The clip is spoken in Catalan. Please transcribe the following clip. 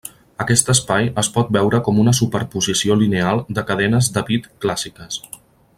Aquest espai es pot veure com una superposició lineal de cadenes de bit clàssiques.